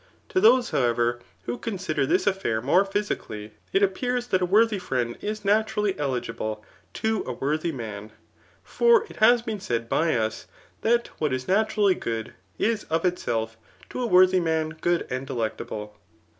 To diose, how ever, who consider this affair more physically, it ajppears that a worthy friend is naturally eligible to a wcMthy man ; for it has been said by us, that *what is naturally good^ is of itself to a w6rthy man good and delectable.